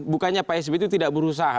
bukannya pak sby itu tidak berusaha